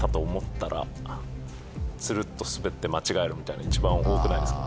ツルっと滑って間違えるみたいの一番多くないですか？